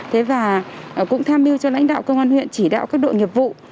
thế và cũng tham mưu cho lãnh đạo công an huyện chỉ đạo các đội nghiệp vụ